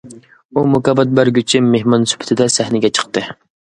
ئۇ مۇكاپات بەرگۈچى مېھمان سۈپىتىدە سەھنىگە چىقتى.